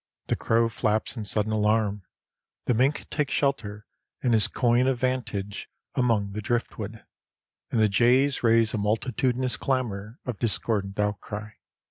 The crow flaps in sudden alarm, the mink takes shelter in his coign of vantage among the driftwood, and the jays raise a multitudinous clamor of discordant outcry.